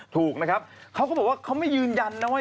ถูกนะครับเขาก็บอกว่าเขาไม่ยืนยันนะว่า